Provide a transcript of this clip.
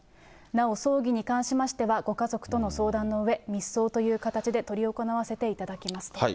なお、葬儀に関しましては、ご家族との相談のうえ、密葬という形で執り行わせていただきますと。